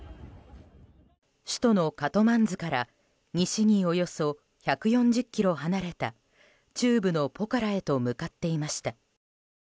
首都のカトマンズから西におよそ１４０ｋｍ離れた中部のポカラへと向かっていました。